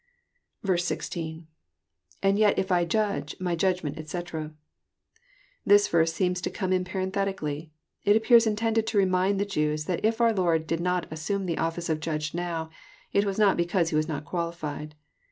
16. — lAnd yet if Ijndge, my judgment j etc.] This verse jseems to come in parenthetically. It appears intended to remind the Jews, that if our Lord did not assume the office of a judge now, it was not because He was not qualified.